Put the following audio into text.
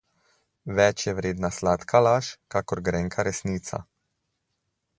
Več je vredna sladka laž kakor grenka resnica.